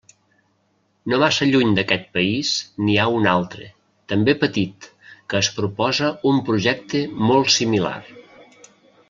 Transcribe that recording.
No massa lluny d'aquest país n'hi ha un altre, també petit, que es proposa un projecte molt similar.